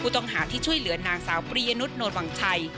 ที่ช่วยเหลือนางสาวปริยนุษย์โนทวังชัย